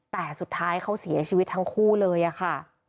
แต่สุดท้ายเขาเสียชีวิตทั้งคู่เลยอะค่ะ